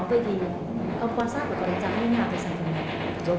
vậy thì ông quan sát và có đánh giá hay nào về sản phẩm này